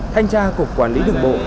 thanh tra cục quản lý đường bộ